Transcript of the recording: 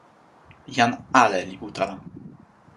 jan ale li utala.